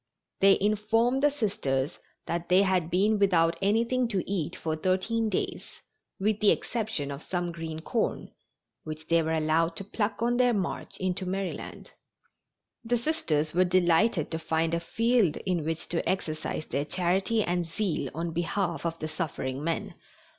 They informed the Sisters that they had been without anything to eat for thirteen days, with the exception of some green corn, which they were allowed to pluck on their march into Maryland. The Sisters were delighted to find a field in which to exercise their charity and zeal on behalf of the suffering men.